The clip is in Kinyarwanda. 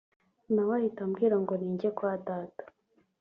nawe ahita ambwira ngo ninjye kwa Data